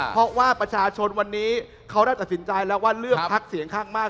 เพราะว่าประชาชนวันนี้เขาได้ตัดสินใจแล้วว่าเลือกพักเสียงข้างมาก